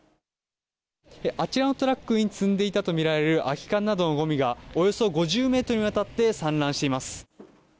あちらのトラックに積んでいたとみられる空き缶などのごみがおよそ５０ｍにわたって散乱しています。